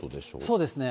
そうですね。